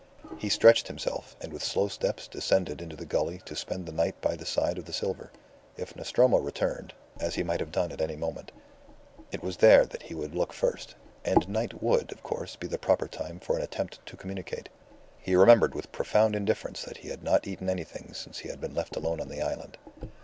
He stretched himself, and with slow steps descended into the gully to spend the night by the side of the silver. If Nostromo returned as he might have done at any moment it was there that he would look first; and night would, of course, be the proper time for an attempt to communicate. He remembered with profound indifference that he had not eaten anything yet since he had been left alone on the island.